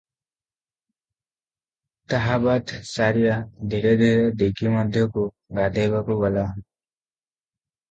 ତାହାବାଦ୍ ସାରିଆ ଧୀରେ ଧୀରେ ଦୀଘି ମଧ୍ୟକୁ ଗାଧୋଇବାକୁ ଗଲା ।